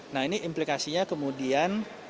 nah ini implikasinya kemudian